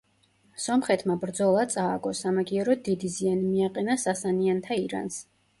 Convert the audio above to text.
სომხეთმა ბრძოლა წააგო, სამაგიეროდ დიდი ზიანი მიაყენა სასანიანთა ირანს.